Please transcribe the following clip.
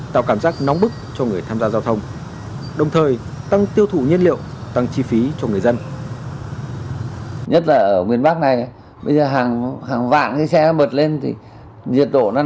tạo cảm giác nóng bức cho người tham gia giao thông